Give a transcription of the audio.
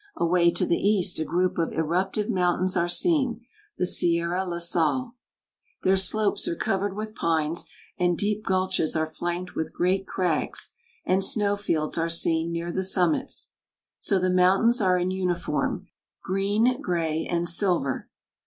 Away to the east a group of eruptive mountains are seen the Sierra La Sal. Their slopes are covered with pines, and deep gulches are flanked with great crags, and snow fields are seen near the summits. So the mountains are in uniform green, gray, and silver.